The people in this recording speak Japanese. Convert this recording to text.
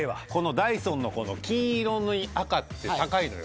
「ダイソン」のこの金色に赤って高いのよ。